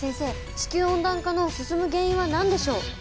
地球温暖化の進む原因は何でしょう。